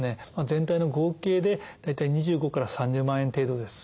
全体の合計で大体２５から３０万円程度です。